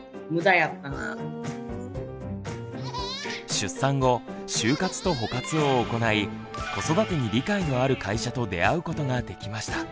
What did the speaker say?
出産後就活と保活を行い子育てに理解のある会社と出会うことができました。